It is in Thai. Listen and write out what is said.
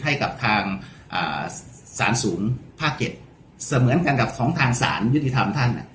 ให้กับทางสารศูนย์ภาค๗เสมือนกันกับของทางศาลยุติธรรมท่าน